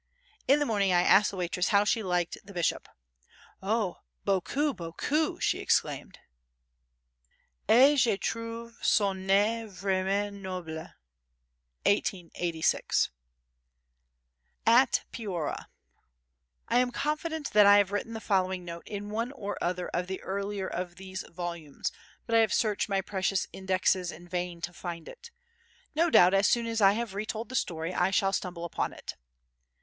In the morning I had asked the waitress how she liked the bishop. "Oh! beaucoup, beaucoup," she exclaimed, "et je trouve son nez vraiment noble." [1886.] At Piora I am confident that I have written the following note in one or other of the earlier of these volumes, but I have searched my precious indexes in vain to find it. No doubt as soon as I have retold the story I shall stumble upon it.